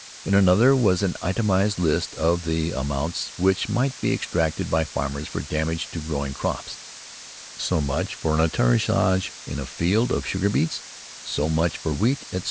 In another was an itemized list of the amounts which might be exacted by farmers for damage to growing crops: so much for an atterrissage in a field of sugar beets, so much for wheat, etc.